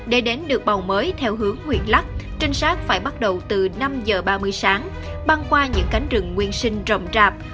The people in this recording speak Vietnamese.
để đến được bầu mới theo hướng nguyễn lắc trinh sát phải bắt đầu từ năm h ba mươi sáng băng qua những cánh rừng nguyên sinh rộng rạp